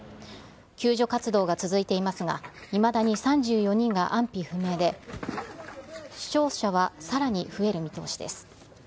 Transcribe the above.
救助活動が続いていますが、いまだに３４人が安否不明で、死傷者はさらに増える見通しです。